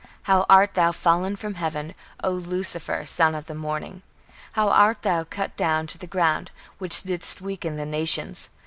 How art thou fallen from heaven, O Lucifer, son of the morning! how art thou cut down to the ground, which didst weaken the nations!